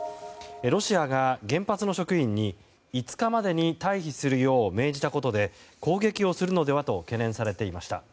ロシアが原発の職員に５日までに退避するよう命じたことで攻撃をするのではと懸念されていました。